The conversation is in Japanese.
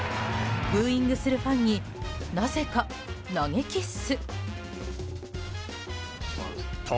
ブーイングするファンになぜか投げキス。